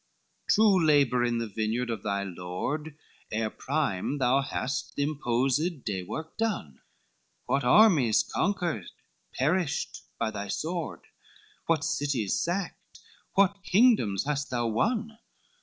LXVI "True labour in the vineyard of thy Lord, Ere prime thou hast the imposed day work done, What armies conquered, perished with thy sword? What cities sacked? what kingdoms hast thou won?